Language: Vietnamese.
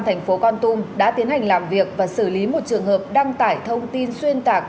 thành phố con tum đã tiến hành làm việc và xử lý một trường hợp đăng tải thông tin xuyên tạc